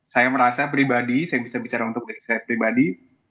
saya merasa pribadi saya bisa bicara untuk diri saya pribadi